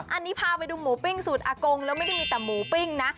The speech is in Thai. อันนี้พาไปดูหมูปิ้งสูตรอากงแล้วไม่ได้มีแต่หมูปิ้งนะ